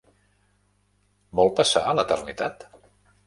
Vol passar a l'eternitat?